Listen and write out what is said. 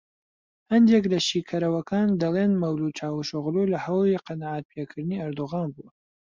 هەندێک لە شیکەرەوەکان دەڵێن مەولود چاوشئۆغڵو لە هەوڵی قەناعەتپێکردنی ئەردۆغان بووە